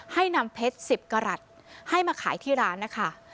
ให้นำเพชร๑๐กรัฐให้มาขายที่ร้านนะคะ